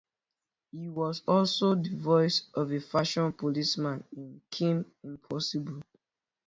He also was the voice of a fashion policeman in "Kim Possible".